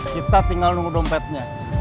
kita tinggal nunggu dompetnya